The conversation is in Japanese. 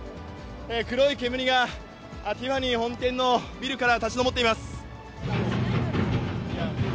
黒い煙がティファニー本店のビルから立ち上っています。